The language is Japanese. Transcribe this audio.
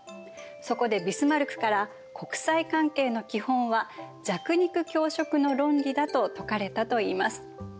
そこでビスマルクから国際関係の基本は弱肉強食の論理だと説かれたといいます。